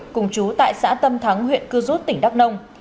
cùng chú tại xã tâm thắng huyện cư rút tỉnh đắk nông